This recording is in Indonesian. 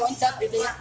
pencet gitu ya